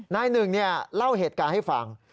นายหนึ่งเล่าเหตุการณ์ให้ฟัง